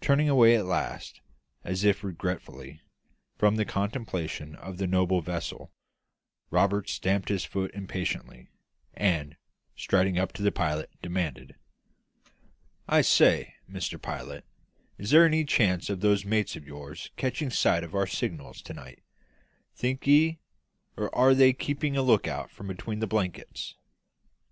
Turning away at last, as if regretfully, from the contemplation of the noble vessel, Roberts stamped his foot impatiently, and, striding up to the pilot, demanded "I say, Mr Pilot, is there any chance of those mates of yours catching sight of our signals to night, think ye, or are they keeping a lookout from between the blankets?"